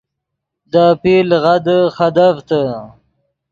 دے آپیر لغدے خدیڤتے